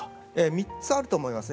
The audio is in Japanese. ３つあると思いますね。